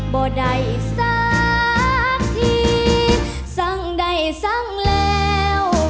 บ่ได้สักทีสั่งได้สั่งแล้ว